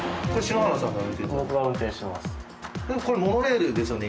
でもこれモノレールですよね？